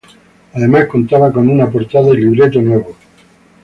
Además contaba con una portada y libreto nuevos.